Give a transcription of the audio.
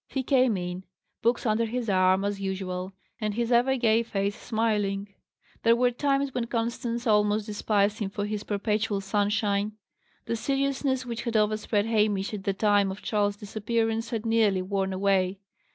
He came in, books under his arm, as usual, and his ever gay face smiling. There were times when Constance almost despised him for his perpetual sunshine. The seriousness which had overspread Hamish at the time of Charley's disappearance had nearly worn away.